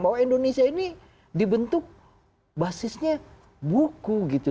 bahwa indonesia ini dibentuk basisnya buku gitu